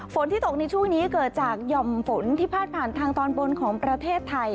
ฝนที่ตกในช่วงนี้เกิดจากหย่อมฝนที่พาดผ่านทางตอนบนของประเทศไทย